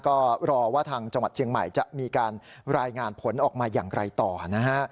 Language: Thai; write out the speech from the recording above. ก็รอว่าทางจังหวัดเชียงใหม่จะมีการรายงานผลออกมาอย่างไรต่อนะฮะ